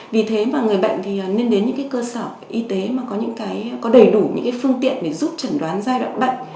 vì thế mà người bệnh thì nên đến những cái cơ sở y tế mà có đầy đủ những cái phương tiện để giúp trần đoán giai đoạn bệnh